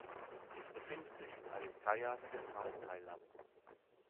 Es befindet sich in Ayutthaya, Zentralthailand.